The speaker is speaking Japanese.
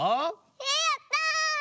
えやった！